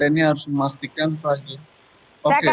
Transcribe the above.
ini harus memastikan pak yudho